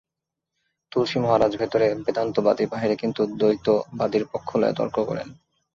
তুলসী মহারাজ ভিতরে বেদান্তবাদী, বাহিরে কিন্তু দ্বৈতবাদীর পক্ষ লইয়া তর্ক করেন।